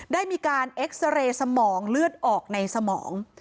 ได้มีการเอ็กซาเรย์สมองเลือดออกในสมอง